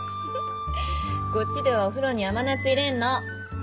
こっちではお風呂に甘夏入れんの。